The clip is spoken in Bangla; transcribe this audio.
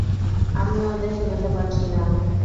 আমি ওদের ঠেকাতে পারছি না।